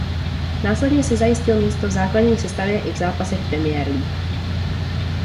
Následně si zajistil místo v základní sestavě i v zápasech Premier League.